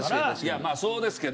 いやまあそうですけど。